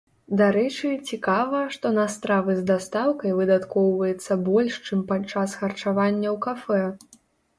Дарэчы, цікава, што на стравы з дастаўкай выдаткоўваецца больш, чым падчас харчавання ў кафэ.